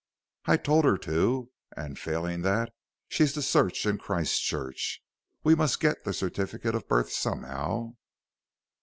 "I told her to, and, failing that, she's to search in Christchurch. We must get the certificate of birth somehow."